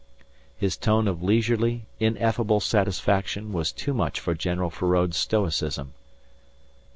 ] His tone of leisurely, ineffable satisfaction was too much for General Feraud's stoicism.